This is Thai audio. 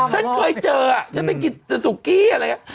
ฉันเคยเจออ่ะฉันไม่กินสุกี้อะไรอ่ะ